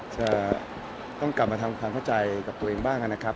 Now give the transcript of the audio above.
จะต้องกลับมาทำความเข้าใจกับตัวเองบ้างนะครับ